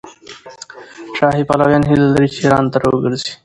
شاهي پلویان هیله لري چې ایران ته راوګرځي.